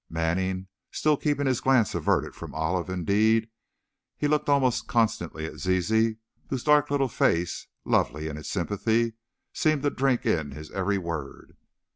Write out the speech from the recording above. Manning still kept his glance averted from Olive, indeed, he looked almost constantly at Zizi, whose dark little face, lovely in its sympathy, seemed to drink in his every word.